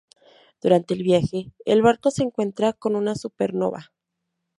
Durante el viaje, el barco se encuentra con una supernova.